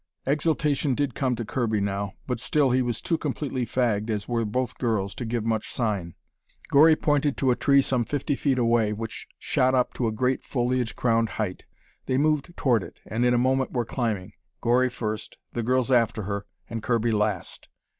Exultation did come to Kirby now, but still he was too completely fagged, as were both girls, to give much sign. Gori pointed to a tree some fifty feet away, which shot up to a great, foliage crowned height. They moved toward it, and in a moment were climbing, Gori first, the girls after her, and Kirby last.